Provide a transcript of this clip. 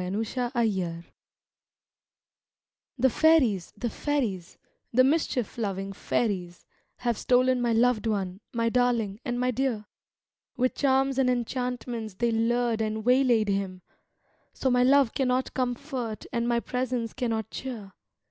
78 THE FAIRIES The fairies, the fairies, the mischief loving fairies, Have stolen my loved one, my darling, and my dear ; With charms and enchantments they lured and way laid him, So my love cannot comfort and my presence can not cheer.